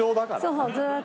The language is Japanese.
そうずーっと。